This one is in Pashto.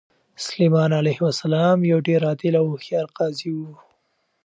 سلیمان علیه السلام یو ډېر عادل او هوښیار قاضي و.